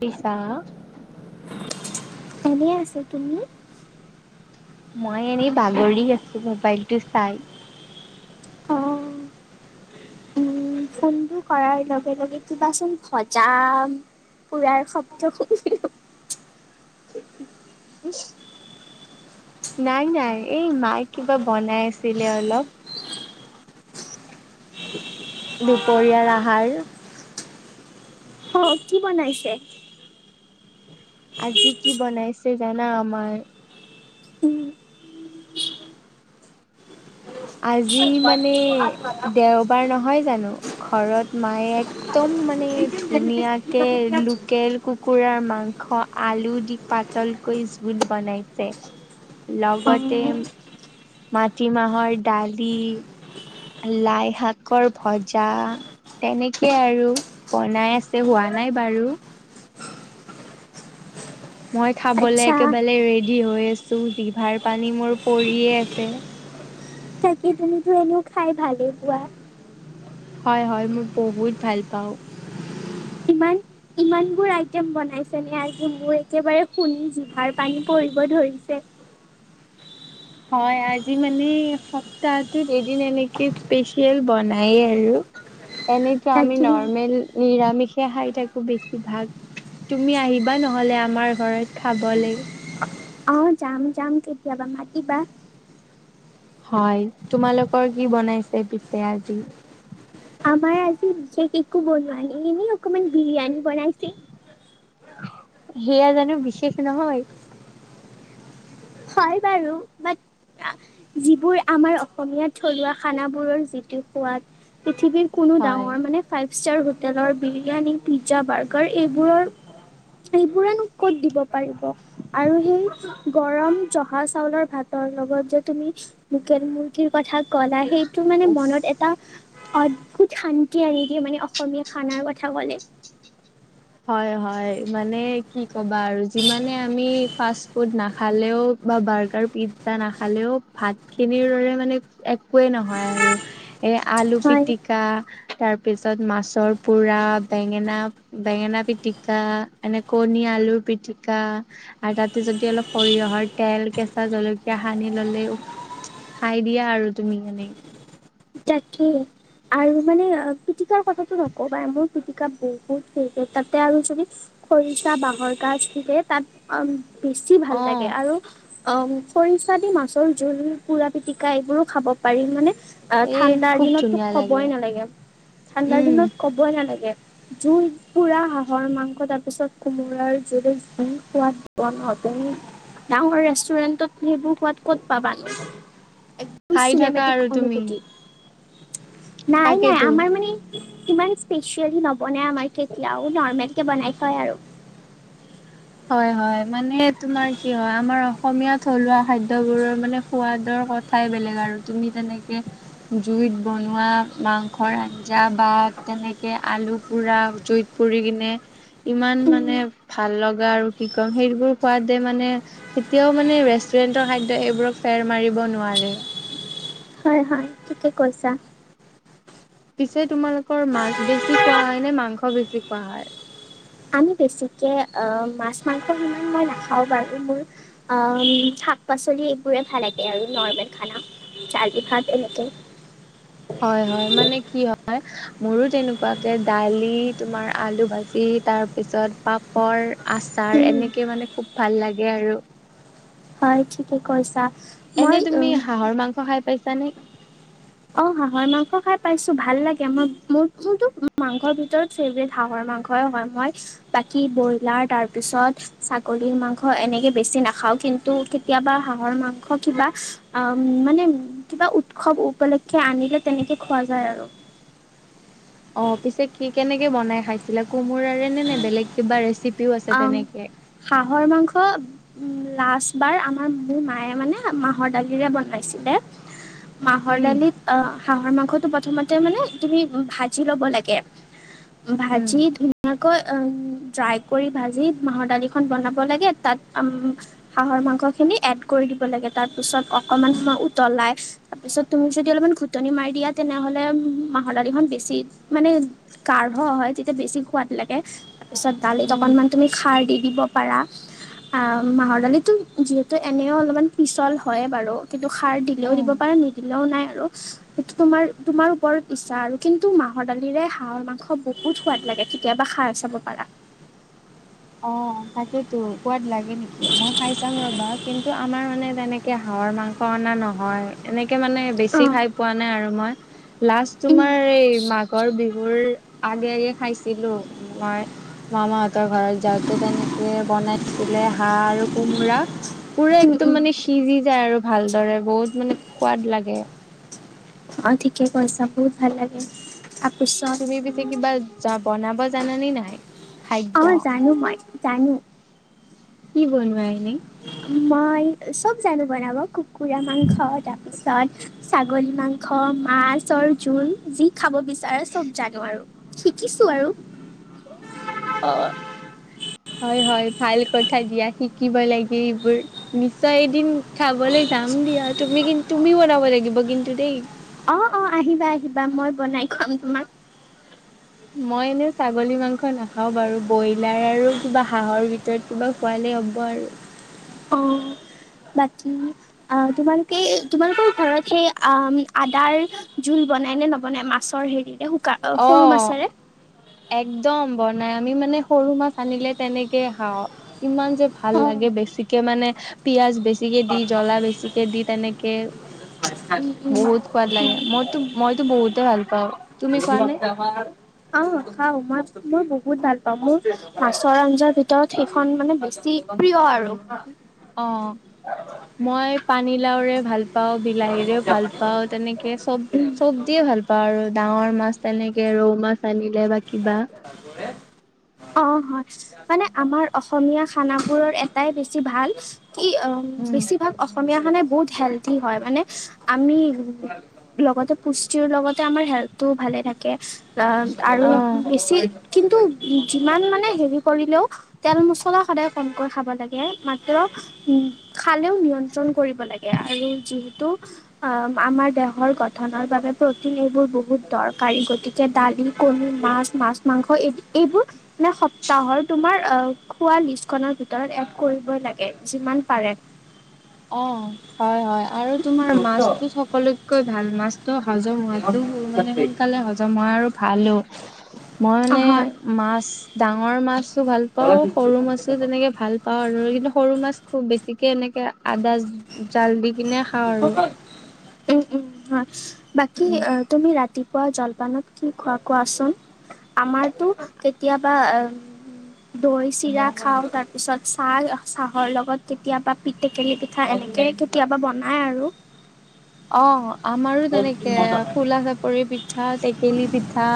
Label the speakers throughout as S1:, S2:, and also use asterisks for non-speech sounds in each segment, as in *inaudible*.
S1: পিছ আও *unintelligible*
S2: এনেই আছো। তুমি?
S1: মই এনেই বাগৰি আছো মোবাইল টো চাই।
S2: অ'। উম ফোনটো কৰাৰ লগে লগে কিবাচোন ভজা পুৰাৰ শব্দ শুনিলো।
S1: নাই নাই এই মায়ে কিবা বনাই আছিলে অলপ। দুপৰীয়াৰ আহাৰ।
S2: অ' কি বনাইছে?
S1: আজি কি বনাইছে জানা আমাৰ
S2: উম।
S1: আজি মানে দেওবাৰ নহয় জানো? ঘৰত মায়ে একদম মান মানে ধুনীয়া কে লোকেল কুকুৰাৰ মাংস আলু দি পাতলকৈ জোল বনাইছে। লগতে
S2: অঁ
S1: মাটিমাহৰ দালি, লাইশাকৰ ভজা তেনেকে আৰু বনাই আছে হোৱা নাই বাৰু। মই খাবলৈ
S2: আচ্ছা
S1: একেবাৰে ৰেডি হৈ আছো জিভাৰ পানী মোৰ পৰিয়ে আছে।
S2: তুমি তো এনেও খাই ভালেই পোৱা।
S1: হয় হয় মই বহুত ভাল পাওঁ।
S2: ইমান ইমান বোৰ আইটেম বনাইছেনে আজি মোৰ একেবাৰে শুনি জিভাৰ পানী পৰিব ধৰিছে।
S1: হয় আজি মানে সপ্তাহটোত এদিন এনেকে স্পেচিয়েল বনায়েই আৰু। এনেতো আমি
S2: তাকেই
S1: নৰ্মেল নিৰামিষে খাই থাকো বেছিভাগ। তুমি আহিবা নহ'লে আমাৰ ঘৰত খাবলে
S2: অ' যাম যাম কেতিয়াবা মাতিবা।
S1: হয় তোমালোকৰ কি বনাইছে পিছে আজি?
S2: আমাৰ আজি বিশেষকে একো বনোৱা নাই এনেই অকমান বিৰিয়ানী বনাইছে।
S1: সেয়া জানো বিশেষ নহয়?
S2: হয় বাৰু বাত যিবোৰ আমাৰ অসমীয়া থলুৱা খানাবোৰৰ যিটো সোৱাদ পৃথিৱীৰ কোনো
S1: হয়
S2: ডাঙৰ মানে ফাইভ ষ্টাৰ হোটেলৰ বিৰিয়ানী পিজ্জা বাৰ্গাৰ এইবোৰৰ এইবোৰেনো ক'ত দিব পাৰিব আৰু সেই গৰম জহা চাউলৰ ভাতৰ লগত যে তুমি লোকেল মুৰ কি কথা ক'লা সেইটো মানে
S1: উফ
S2: মনত এত এটা অদ্ভুত শান্তি আনি দিয়ে মানে অসমীয়া খানাৰ কথা কলে।
S1: হয় হয় মানে কি ক'বা আৰু যিমানে আমি ফাষ্ট ফুড নাখালেও বা বাৰ্গাৰ পিজ্জা নাখালেও ভাত খিনিৰ দৰে মানে একোৱেই নহয় আৰু। এ আলু
S2: হয়
S1: পিটিকা তাৰ পিছত মাছৰ পোৰা বেঙেনা বেঙেনা পিটিকা এনে কণী আলুৰ পিটিকা আৰু তাতে যদি অলপ সৰিয়হৰ তেল কেঁচা জলকীয়া সানি ললে ওফ খাই দিয়া আৰু তুমি মানে।
S2: তাকেই আৰু মানে পিটিকাৰ কথাটো নকবা মোক পিটিকা বহুত থে তাতে আৰু যদি খৰিচা বাঁহৰ গাজ থাকে তাত বেছি ভাল
S1: অ
S2: লাগে আৰু অ খৰিচা দি মাছৰ জোল পুৰা পিতিকা এইবোৰো খাব পাৰি মানে অ
S1: এ
S2: ঠাণ্ডাৰ
S1: খুব
S2: দিনততো
S1: ধুনীয়া লাগে
S2: কবই নালাগে ঠাণ্ডাৰ
S1: উম
S2: দিনত ক'বই নালাগে জোই পুৰা হাঁহৰ মাংস তাৰপিছত কোমোৰাৰ জোল জি সোৱাদ বনায় ডাঙৰ ৰেষ্টুৰেন্টত সেইবোৰ সোৱাদ ক'ত পাবা ন একদম
S1: খাই থাকা আৰু
S2: চিনেমেটিক
S1: তুমি
S2: অনুভূতি নাই নাই
S1: তাকেতো।
S2: আমাৰ মানে ইমান স্পেচিয়েলি নবনাই আমাৰ কেতিয়াও নৰ্মেল কে বনাই খোৱাই আৰু
S1: হয় হয় মানে তোমাৰ কি হয় আমাৰ অসমীয়া থলুৱা খাদ্যবোৰৰ মানে সোৱাদৰ কথা ঠাই বেলেগ আৰু তুমি যেনেকে জুইত বনোৱা মাংসৰ আঞ্জা বা তেনেকে আলু পোৰা জুইত পুৰি কিনে ইমান মানে
S2: উম,
S1: ভাল লগা আৰু কি কম সেইবোৰ সোৱাদে মানে কেতিয়াও মানে ৰেষ্টুৰেন্টৰ খাদ্য এইবোৰক ফেৰ মাৰিব নোৱাৰে
S2: হয় হয় ঠিকে কৈছা
S1: পিছে তোমালোকৰ মাছ বেছি খোৱা হয় নে মাংস বেছি খোৱা হয়
S2: আমি বেছিকৈ মাছ মাংস ইমান মই নাখাওঁ বাৰু মোৰ শাক পাচলি এইবোৰে ভাল লাগে আৰু নৰ্মেল খানা দালি ভাত এনেকে
S1: হয় হয় মানে কি হয় হয় মোৰো তেনেকুৱাকে দালি তোমাৰ আলু ভাজি তাৰ পিছত পাপ পৰ আচাৰ
S2: উম,
S1: এনেকে মানে খুব ভাল লাগে আৰু
S2: হয়, ঠিকে কৈছা।
S1: এনে
S2: মই
S1: তুমি
S2: উম,
S1: হাঁহৰ মাংস খাই পাইছা নে?
S2: অ' হাঁহ মাংস খাই পাইছো, ভাল লাগে। মই মোৰ মোৰতো মাংসৰ ভিতৰত ফেভেট হাঁহৰ মাংসই হয়, মই বাকী ব্ৰইলাৰ তাৰ পিছত। ছাগলীৰ মাংস এনেকে বেছি নাখাওঁ। কিন্তু কেতিয়াবা হাঁহৰ মাংস কিবা। অ' মানে কিবা উৎসৱ উপলক্ষে আনিলে তেনেকে খোৱা যায় আৰু।
S1: অ' পিছে কি কেনেকে বনাই খাইছিলে। কোমোৰাৰে নে নে বেলেগ কিবা ৰেচিপিও আছে
S2: আম
S1: তেনেকে।
S2: হাঁহৰ মাংস উম, লাষ্ট বাৰ আমাৰ মোৰ মায়ে মানে মাহৰ দালিৰে বনাইছিলে। মাহৰ
S1: উম
S2: দালিত অ' হাঁহৰ মাংসতটো প্ৰথমতে মানে তুমি ভাজি ল'ব লাগে।
S1: উম
S2: ভাজি ধো ধুনীয়া কৈ উ ড্ৰাই কৰি ভাজি মাহৰ দালিখন বনাব লাগে তাত হাঁহৰ মাংসখিনি এড কৰি দিব লাগে। তাৰ পিছত অকমান সময় উতলাই তাৰপিছত তুমি যদি অলপমান ঘুটনি মাৰি দিয়া। তেনে হ'লে মাহৰ দালিখন বেছি মানে। কাঢ় হয় তেতিয়া বেছি সোৱাদ লাগে। তাৰপিছত দালিত
S1: উম
S2: অকনমান। তুমি খাৰ দি দিব পাৰা। আ মাহৰ দালি যিহেতু এনেও অলপমান পিছল হয় বাৰু। কিন্তু সাৰ দিলেওঁ দিব
S1: উম
S2: পাৰা নিদিলেও নাই আৰু। সেইটো তোমাৰ তোমাৰ ওপৰত ইচ্ছা আৰু কিন্তু মাহৰ দালিৰে হাঁহ মাংস বহুত বহুত সোৱাদ লাগে, কেতিয়াবা খাই চাব পাৰা।
S1: অ' তাকেইেতো সোৱাদ লাগে নেকি, মই খাই চাম ৰবা কিন্তু আমাৰ মানে তেনেকে। এ হাঁহৰ মাংস অনা নহয়, এনেকে মানে
S2: অ
S1: বেছি খাই পোৱা নাই আৰু মই। লাষ্ট
S2: উম
S1: তোমাৰ এই মাঘৰ বিহুৰ আগে আগে খাইছিলো মই। মামাহত ঘৰত। যাওঁতে তেনেকে বনাইছিলে হাঁহ আৰু কোমোৰা পুৰা
S2: উম
S1: একদম
S2: উম
S1: মানে সিজি যায় আৰু ভালদৰে বহুত মানে সোৱাদ লাগে।
S2: অ' ঠিকে কৈছা। বহুত ভাল লাগে। তাৰপিছত
S1: তুমি পিছে কিবা জব বনাব জানানে নাই? খাদ্য
S2: অ' জানো মই জানো।
S1: কি বনোৱা এনেই?
S2: মই, চ'ব জানো বনাব কুকুৰা মাংস তাৰপিছত, ছাগলী মাংস, মাছৰ জোল যি খাব বিচাৰে চ'ব জানো আৰু। শিকিছোঁ আৰু।
S1: অ' হয়, হয়, ভাল কথা দিয়া শিকিব লাগে এইবোৰৰ নিশ্চয় এদিন খাবলৈ যাম দিয়া, তুমি কিন্ত তুমি বনাব লাগিব কিন্তু দেই।
S2: অ' অ' আহিবা, আহিবা মই বনাই খোৱাম তোমাক।
S1: মই এনে ছাগলী মাংস নাখাওঁ বাৰু। ব্ৰইলাৰ আৰু কিবা হাঁহৰ ভিতৰত কিবা। খোৱালে হ'ব আৰু।
S2: অ' বাকী। অ' তোমালোকে, তোমালোকৰ ঘৰত সেই আ আদাৰ। জোল বনাই নে নবনাই মাছৰ হেৰিৰে। শুকা সৰু
S1: অ'।
S2: মাছেৰে
S1: একদম বনাই, আমি মানে সৰু মাছ আনিলে তেনেকে খাওঁ। ইমান যে ভাল
S2: অঁ
S1: লাগে, বেছিকে মানে পিয়াজ বেছি। বেছিকে দি জ্বলা বেছিকে দি তেনেকে বহুত সোৱাদ লাগে মই টো। মইতো বহুতে ভাল পাওঁ। তুমি খোৱা নে
S2: অ' খাও মই-মই বহুত ভাল মোৰ মাছৰ আঞ্জাৰ ভিতৰত সেইখন মানে বেছি প্ৰিয় আৰু,।
S1: অ, মই পানীলাওৰে ভাল। পাওঁ বিলাহীৰেও, ভাল পাওঁ তেনেকে চব-চব দিয়ে ভাল পাওঁ আৰু ডাঙৰ মাছ। তেনেকে ৰৌ মাছ আনিলে বা কিবা,।
S2: অ, হয় মানে, আমাৰ অসমীয়া খানাবোৰৰ এটাই বেছি ভাল কি অ
S1: উম
S2: বেছি,। ধ অসমীয়া খানাই বহুত হেল্ডি হয়, মানে আমি। লগতে পুষ্টিৰিৰ লগতে আমাৰ হেল্থটো ভালে থাকে অ আৰু
S1: অ
S2: বেছি,। কিন্তু, যিমান মানে হেৰি কৰিলেও তেল মছলা সদায় কমকৈ খাব লাগে। মাত্ৰ উ খালেও নিয়ন্ত,। কৰিব লাগে আৰু যিহেতু,। অ', মাৰ দেহৰ গঠনৰ বাবে প্ৰটিন এইবোৰ বহুত দৰকাৰী, গতিকে দালি কণ। মাছ, মাছ-মাংস এই এইবোৰ। *unintelligible* তম খ ভ, *inaudible*
S1: অ, হয়, হয় আৰু তোমাৰ মাছতো সকলোতকৈ ভাল মাছ। তটো হজম হোৱাটো মানে সোনকালে হজম হয়, আৰু ভালো মই মানে
S2: হয়
S1: মাছ ডাঙৰ মাছো ভাল পাও, সৰু মাছো তেনেকে ভালা। আৰু কিন্তু সৰু মাছ খুব বেছিকে এনেকে আদা জাল দি কিনে,। খাওঁ আৰু
S2: উম, উম হয় বাকি।
S1: উম
S2: তুমি ৰাতিপুৱা জলপানত কি খোৱা কোৱাচোন? আমাৰতো কেতিয়াবা,। দৈ চিৰা খাও, তাৰ পিছত চাহ-চাহৰ লগত কেতিয়াবা। টেকেলি পিঠা এনেকে কেতিয়াবা বনাই আৰু,।
S1: অ', মাৰো তেনেকে খোলা চাপৰি পিঠা, টেকেলি পিঠা,।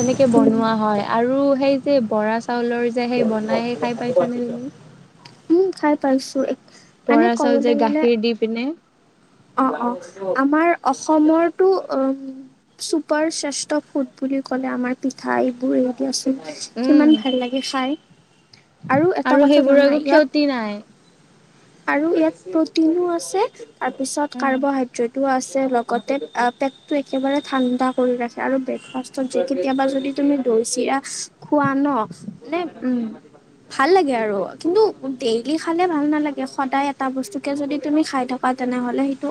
S1: তেনেকে
S2: উম
S1: বনোৱা হয় আৰু সেই যে বৰা চাউলৰ যে সেই বনাইে খাই পাইছা নে তুমি?
S2: উম', খাই পাইছো এক।
S1: বৰা চাউল যে গাখীৰ দি পিনে,।
S2: অ, অ আমাৰ অসমৰটো চুপাৰ শ্ৰেষ্ঠ ফুড বুলি ক'লে আমাৰ পিঠা এইবো,।
S1: উম,
S2: কিমান ভাল লাগে খাই আৰু এটা কথা
S1: সেইবোৰৰ
S2: জানা
S1: একো
S2: ইয়াত
S1: ক্ষতি নাই।
S2: আৰু ইয়াত প্ৰটিনো আছে, তাৰপিছত
S1: উম,
S2: কাৰ্বহাইড্ৰেটো আছে গোট পেটটো একেবাৰে ঠাণ্ডা কৰি ৰাখে, আৰু ব্ৰেকফাষ্টত যে কেতিয়াবা যদি তুমি দৈ চিৰা খোৱা ন নে
S1: উম,
S2: ভাল লাগে আৰু কিন্তু, ডেইলি খালে ভাল নালাগে সদায় এটা বস্তু কেে যদি তুমি খাই থকাত তেনেহলে সেইটো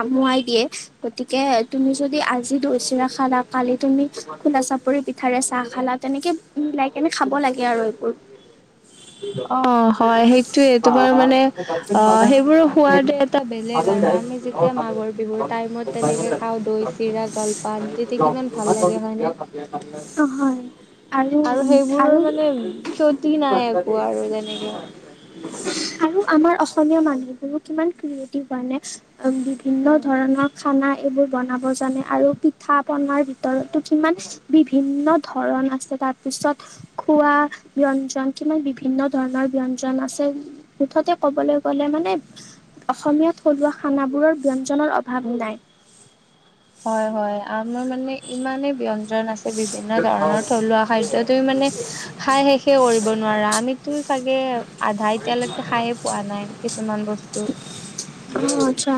S2: আমুৱাই দিয়ে গতিকে তুমি যদি আজি দৈ চিৰা খাৰ তুমি খোলা চাপৰি পিঠাৰে চাহ খালা তেনেকে মিলাই কেনে খাব লাগে আৰু এইবোৰ
S1: হয় অ', হয় সেইটোয়ে, তোমাৰ মানে অ সেইবোৰো সোৱাদ এটা বেলেগ আৰু, আমি যেতিয়া মাঘৰ বিহুৰ টাইমত তেনেকে খাওঁ দৈ চিৰা জলপান তেতিয়া কিমান ভাল লাগে হয়
S2: অ', হয় আৰু,
S1: সেইবোৰৰ
S2: আৰু
S1: মানে ক্ষতি নাই একো আৰু তেনেকে
S2: আৰু আমাৰ অসমীয়া মানুহবোৰো কিমান ক্ৰিয়েটিভ মানে বিভিন্ন
S1: হয়
S2: ধৰণৰ খানা এইবোৰ বনাব জানে, আৰু পিঠা পনাৰ ভিতৰতো কিমান বিভিন্ন ধৰণ আছে তাৰপিছত খোৱা ব্যঞ্জন কিমান বিভিন্ন ধৰণৰ ব্যঞ্জন আছে মুঠতে ক'বলৈ গ'লে মানে অসমীয়াত থলুৱা খানাবোৰৰ ব্যঞ্জনৰ অভাৱ নাই
S1: হয়, হয়, আমাৰ মানে ইমানে ব্য আছে বিভিন্ন ধৰণৰ থলুৱা খাদ্যয় তুমি মানে খাই শেষে কৰিব নোৱাৰা আমি টো চাগে আধা এতিয়ালৈকে খাইয়ে পোৱা নাই কিছুমান বস্তু
S2: অ', আচ্ছা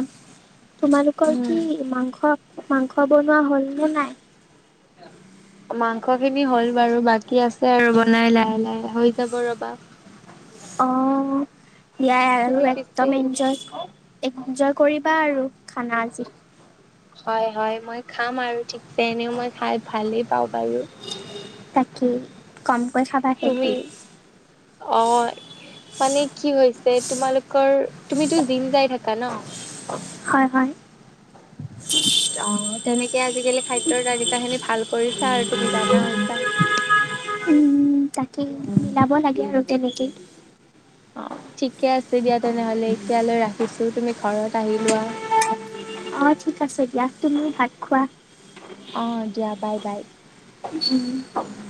S2: তোমালোকৰ
S1: উম
S2: কি মাংস মাংস বনোৱা হল নে নাই? *inaudible*
S1: মাংস খিনি হ'ল বাৰু বাকী আছে আৰু বনাই লাহে লাহে হৈ যাব ৰবা।
S2: অ', ইয়াই আৰু
S1: তুমি পিছে
S2: একদম এনজয় কৰ এনজয় কৰিবা আৰু খানা আজি।
S1: হয় - হয়, মই খাম আৰু ঠিকছে এনেও মই খাই ভালেই পাওঁ বাৰু।
S2: তাকে কমকৈ খাবা সেই
S1: তুমি
S2: খালি।
S1: অ', মানে কি হৈছে তোমালোকৰ তুমিতো জিম যাই থাকা ন?
S2: হয় হয়।
S1: অ', তেনেকে আজিকালি খাদ্যৰ তালিকা খিনি ভাল কৰিছা আৰু তুমি জানা হৈছা।
S2: তাকে মিলাব লাগে আৰু তেনেকে।
S1: অ', ঠিকে আছে দিয়া তেনেহলে এতিয়ালৈ ৰাখিছো তুমি ঘৰত আহি লোৱা।
S2: অ', ঠিক আছে দিয়া তুমিও ভাত খোৱা।
S1: অ', দিয়া বাই বাই।
S2: উম,